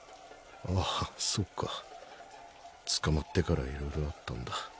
ああそうか捕まってから色々あったんだ。